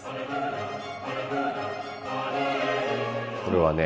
これはね